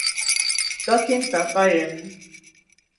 Dọkịta Fayemi